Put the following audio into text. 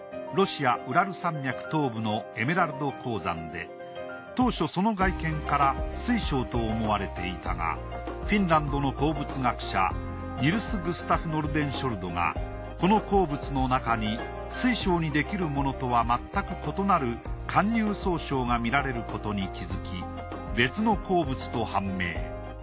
ロシアウラル山脈東部のエメラルド鉱山で当初その外見から水晶と思われていたがフィンランドの鉱物学者ニルス・グスタフ・ノルデンショルドがこの鉱物の中に水晶にできるものとはまったく異なる貫入双晶が見られることに気づき別の鉱物と判明。